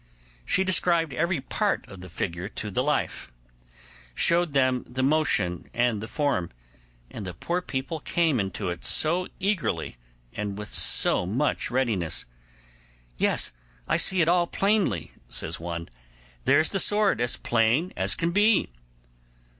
She described every part of the figure to the life, showed them the motion and the form, and the poor people came into it so eagerly, and with so much readiness; 'Yes, I see it all plainly,' says one; 'there's the sword as plain as can be.